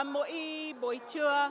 mỗi buổi trưa